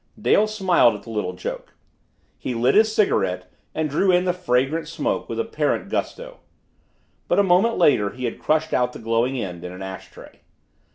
Dale smiled at the little joke. He lit his cigarette and drew in the fragrant smoke with apparent gusto. But a moment later he had crushed out the glowing end in an ash tray.